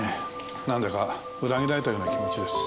なんだか裏切られたような気持ちです。